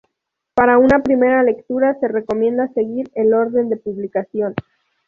Para una primera lectura se recomienda seguir el orden de publicación.